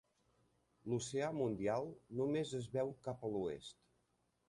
L'Oceà Mundial només es veu cap a l'oest.